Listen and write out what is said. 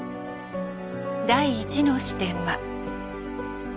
第１の視点は。